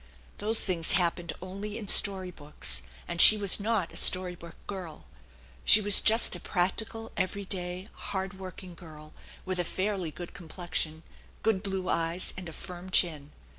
Those things happened only in story books, and she was not a story book girl; she was just a practical, every day, hard working girl with a fairly good complexion, good blue eyes and a firm chin.